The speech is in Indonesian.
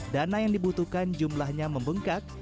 dana yang dibutuhkan jumlahnya membengkak